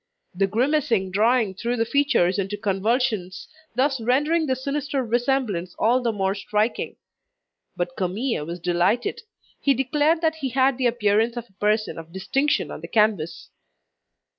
The grimacing drawing threw the features into convulsions, thus rendering the sinister resemblance all the more striking. But Camille was delighted; he declared that he had the appearance of a person of distinction on the canvas.